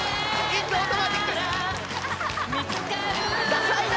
ダサいな